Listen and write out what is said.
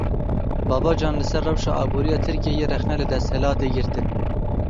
Babacan li ser rewşa aboriya Tirkiyeyê rexne li desthilatê girtin.